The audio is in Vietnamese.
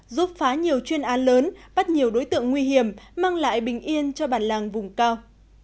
giúp phá nhiều chuyên án lớn bắt nhiều đối tượng nguy hiểm mang lại bình yên cho bản làng vùng cao